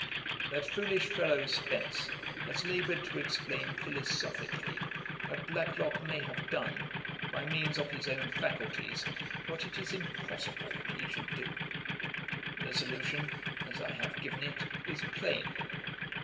That foolish fellow, Spence, has laboured to explain philosophically how Blacklock may have done, by means of his own faculties, what it is impossible he should do. The solution, as I have given it, is plain.